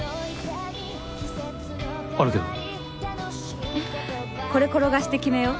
あるけどこれ転がして決めよう